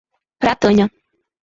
Pratânia